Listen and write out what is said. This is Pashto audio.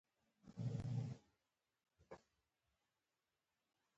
يوه شېبه غلى سو.